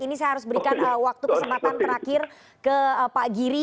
ini saya harus berikan waktu kesempatan terakhir ke pak giri